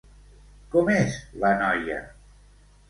Com és la noia?